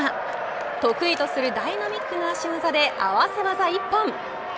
得意とするダイナミックな足技で合わせ技一本。